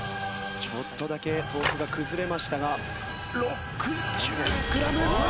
ちょっとだけ豆腐が崩れましたが。